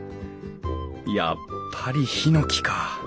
やっぱりヒノキか。